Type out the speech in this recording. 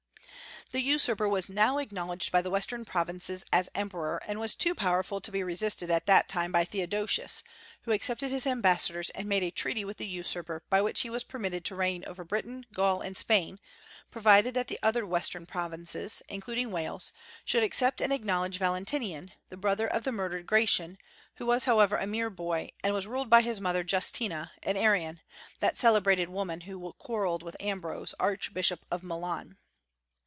The usurper was now acknowledged by the Western provinces as emperor, and was too powerful to be resisted at that time by Theodosius, who accepted his ambassadors, and made a treaty with the usurper by which he was permitted to reign over Britain, Gaul, and Spain, provided that the other Western provinces, including Wales, should accept and acknowledge Valentinian, the brother of the murdered Gratian, who was however a mere boy, and was ruled by his mother Justina, an Arian, that celebrated woman who quarrelled with Ambrose, archbishop of Milan.